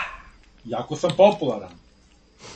Јако сам популаран.